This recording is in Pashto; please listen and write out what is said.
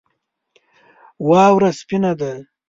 واوره سپینه ده